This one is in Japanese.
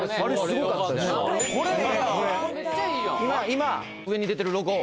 今上に出てるロゴ